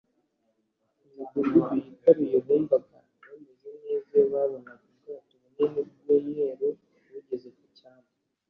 imidugudu yitaruye bumvaga bameze neza iyo babonaga ubwato bunini bw umweru bugeze ku cyambu